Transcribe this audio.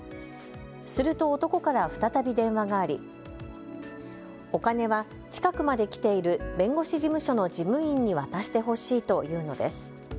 すると男から再び電話がありお金は近くまで来ている弁護士事務所の事務員に渡してほしいと言うのです。